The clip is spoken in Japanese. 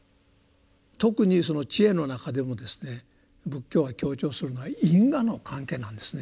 特にその智慧の中でもですね仏教が強調するのは因果の関係なんですね。